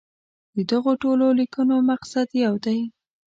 د دغو ټولو لیکنو مقصد یو دی.